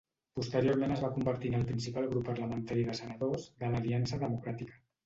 Posteriorment es va convertir en el principal grup parlamentari de senadors de l'Aliança Democràtica.